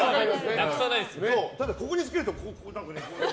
ただ、ここにつけるとこうね。